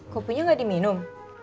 kopinya gak diminum